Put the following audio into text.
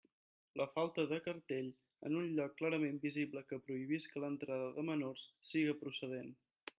La falta de cartell en un lloc clarament visible que prohibisca l'entrada de menors, siga procedent.